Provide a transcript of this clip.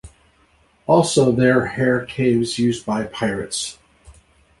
Also, there hare caves used by pirates.